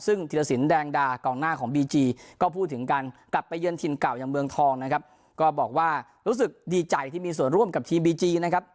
ซึ่งธิรสินแดงดากองหน้าของบีจีก็พูดถึงการกลับไปเยือนถิ่นเก่าอย่างเมืองทองนะครับก็บอกว่ารู้สึกดีใจที่มีส่วนร่วมกับทีมบีจีนะครับ